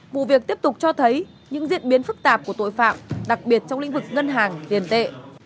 vụ việc tiếp tục cho thấy những diễn biến phức tạp của tội phạm đặc biệt trong lĩnh vực ngân hàng tiền tệ